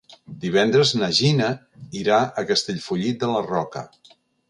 Divendres na Gina irà a Castellfollit de la Roca.